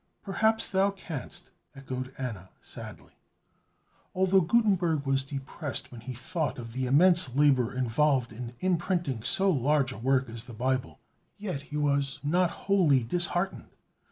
"Perhaps thou canst," echoed Anna sadly. Although Gutenberg was depressed when he thought of the immense labor involved in imprinting so large a work as the Bible, yet he was not wholly disheartened.